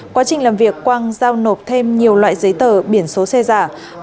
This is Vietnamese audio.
quá trình làm việc quang giao nộp thêm nhiều loại giấy tờ biển số xe giả